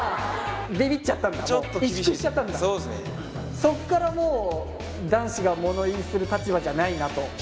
そっからもう男子が物言いする立場じゃないなと。